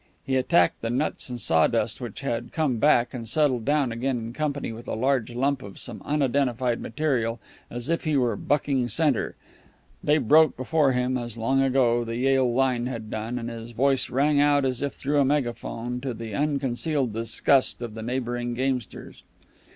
He attacked the nuts and sawdust which had come back and settled down again in company with a large lump of some unidentified material, as if he were bucking center. They broke before him as, long ago, the Yale line had done, and his voice rang out as if through a megaphone, to the unconcealed disgust of the neighboring gamesters.